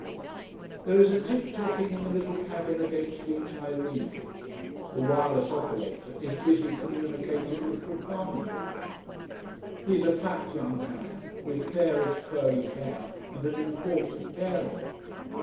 _ There is a tick tocking in the little cabin against which I lean. The wireless operator is busy communicating with Trapani, no doubt. He is a fat young man with fairish curly hair and an important bearing.